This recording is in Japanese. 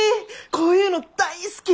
こういうの大好き！